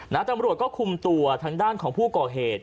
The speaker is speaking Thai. ตำรวจก็คุมตัวทางด้านของผู้ก่อเหตุ